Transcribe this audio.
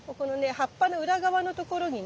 葉っぱの裏側の所にね